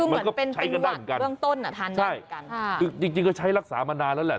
คือเหมือนเป็นเป็นหวัดเบื้องต้นอ่ะทานได้เหมือนกันใช่คือจริงจริงก็ใช้รักษามานานแล้วแหละ